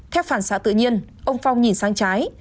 theo phản xạ tự nhiên ông phong nhìn sang trái